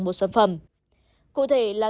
một sản phẩm cụ thể là